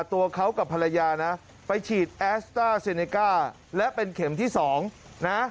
ตัวเขากับภรรยานะไปฉีดแอสต้าเซเนก้าและเป็นเข็มที่๒นะ